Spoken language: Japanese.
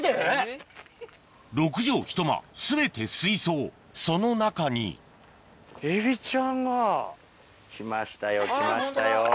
６畳ひと間全て水槽その中に来ましたよ来ましたよもう。